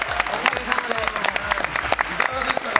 いかがでしたか？